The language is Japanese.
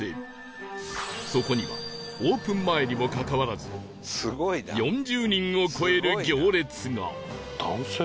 そこにはオープン前にもかかわらず４０人を超える行列が